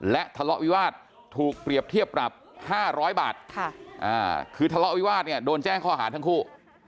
และทะเลาะวิวาสถูกเปรียบเทียบปรับ๕๐๐บาทคือทะเลาะวิวาสเนี่ยโดนแจ้งข้อหาทั้งคู่